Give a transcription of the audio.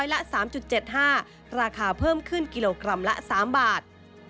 ละ๓๗๕ราคาเพิ่มขึ้นกิโลกรัมละ๓บาท